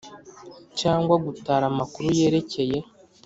cyangwa gutara amakuru yerekeye